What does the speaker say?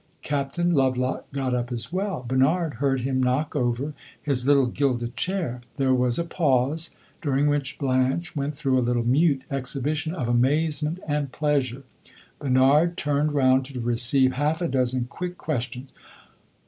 Captain Lovelock got up as well; Bernard heard him knock over his little gilded chair. There was a pause, during which Blanche went through a little mute exhibition of amazement and pleasure. Bernard turned round, to receive half a dozen quick questions.